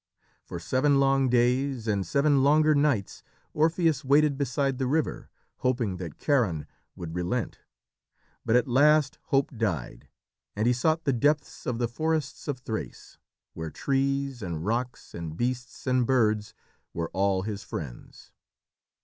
For seven long days and seven longer nights Orpheus waited beside the river, hoping that Charon would relent, but at last hope died, and he sought the depths of the forests of Thrace, where trees and rocks and beasts and birds were all his friends.